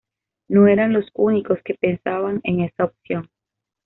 No eran los únicos que pensaban en esa opción.